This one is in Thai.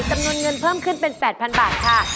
จำนวนเงินเพิ่มขึ้นเป็น๘๐๐๐บาทค่ะ